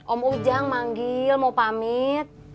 om ujang manggil mau pamit